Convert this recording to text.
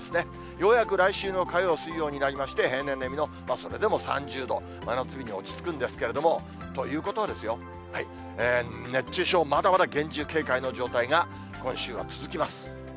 ようやく来週の火曜、水曜になりまして、平年並みの、それでも３０度、真夏日に落ち着くんですけれども、ということはですよ、熱中症、まだまだ厳重警戒の状態が、今週は続きます。